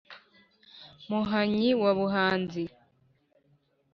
muhanyi wa buhanzi,